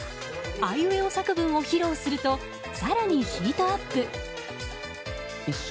あいうえお作文を披露すると、更にヒートアップ！